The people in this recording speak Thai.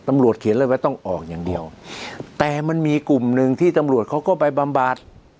เขียนเลยว่าต้องออกอย่างเดียวแต่มันมีกลุ่มหนึ่งที่ตำรวจเขาก็ไปบำบัด